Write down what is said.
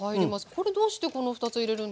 これどうしてこの２つ入れるんですか？